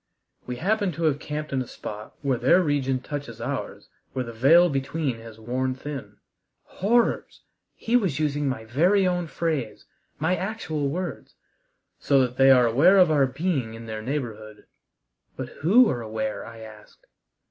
We happen to have camped in a spot where their region touches ours where the veil between has worn thin" horrors! he was using my very own phrase, my actual words "so that they are aware of our being in their neighborhood." "But who are aware?" I asked.